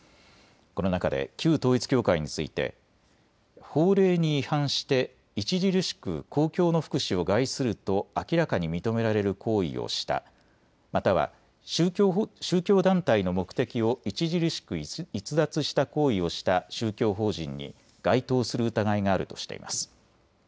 この中で旧統一教会について法令に違反して著しく公共の福祉を害すると明らかに認められる行為をした、または宗教団体の目的を著しく逸脱した行為をした宗教法人に該当する疑いがあるとしています。